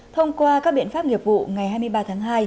thông qua các biện pháp nghiệp vụ ngày hai mươi ba tháng hai